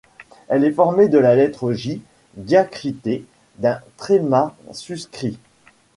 Elle est formée de la lettre J diacritée d’un tréma suscrit.